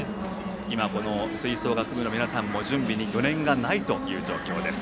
今、吹奏楽部の皆さんも準備に余念がない状況です。